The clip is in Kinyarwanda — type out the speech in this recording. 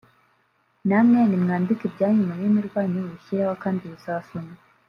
namwe nimwandike ibyanyu mu rurimi rwanyu mubishyireho kandi bizasomwa